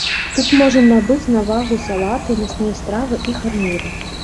Тут можна набыць на вагу салаты, мясныя стравы і гарніры.